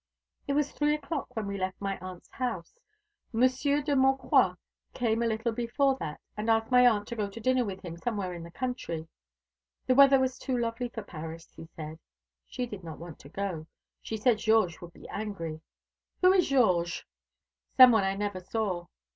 "It was three o'clock when we left my aunt's house. Monsieur de Maucroix came a little before that, and asked my aunt to go to dinner with him somewhere in the country. The weather was too lovely for Paris, he said. She did not want to go. She said Georges would be angry." "Who is Georges?" "Some one I never saw."